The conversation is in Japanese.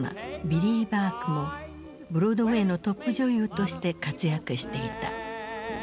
ビリー・バークもブロードウェイのトップ女優として活躍していた。